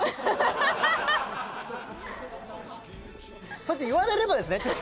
そうやって言われればですね。